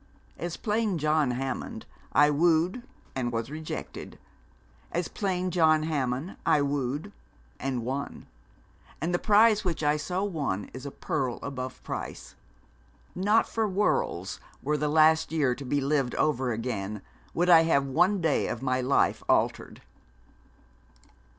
As plain John Hammond I wooed and was rejected; as plain John Hammond I wooed and won; and the prize which I so won is a pearl above price. Not for worlds, were the last year to be lived over again, would I have one day of my life altered.'